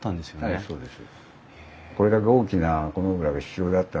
はいそうです。